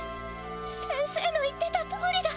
先生の言ってたとおりだ。